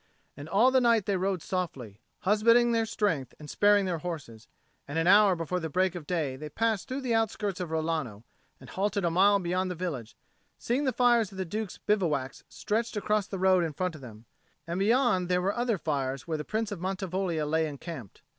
And all the night they rode softly, husbanding their strength and sparing their horses; and an hour before the break of day they passed through the outskirts of Rilano and halted a mile beyond the village, seeing the fires of the Duke's bivouacs stretched across the road in front of them; and beyond there were other fires where the Prince of Mantivoglia lay encamped.